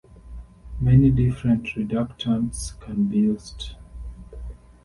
Many different reductants can be used.